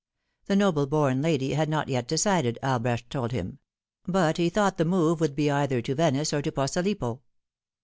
The noble born lady had not yet decided, Albrecht told him ; but he thought the move would be either to Venice or to Posilippo.